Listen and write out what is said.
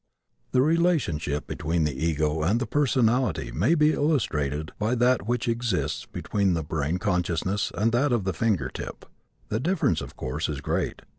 The relationship between the ego and the personality may be illustrated by that which exists between the brain consciousness and that of the finger tip. The difference, of course, is great.